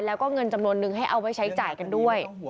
แล้วก็เงินจำนวนนึงให้เอาไว้ใช้จ่ายกันด้วย